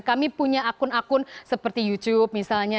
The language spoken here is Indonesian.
kami punya akun akun seperti youtube misalnya